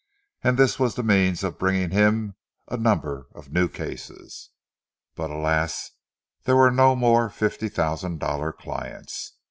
And this was the means of bringing him a number of new cases. But alas, there were no more fifty thousand dollar clients!